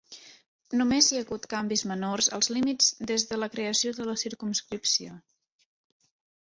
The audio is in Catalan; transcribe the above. Només hi ha hagut canvis menors als límits des de la creació de la circumscripció.